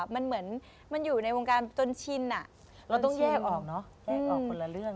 มันเหมือนมันอยู่ในวงการจนชินอ่ะเราต้องแยกออกเนอะแยกออกคนละเรื่อง